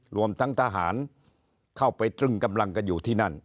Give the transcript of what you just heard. รวมทั้งทหารเข้าไปตรึงกำลังกันอยู่ที่นั่น